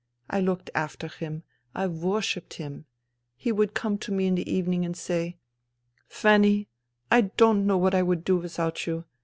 I looked after him. I worshipped him. He would come to me in the evening and say :"' Fanny, I don't know what I would do without you.'